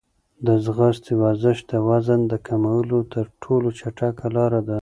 د ځغاستې ورزش د وزن د کمولو تر ټولو چټکه لاره ده.